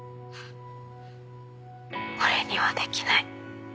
俺にはできない。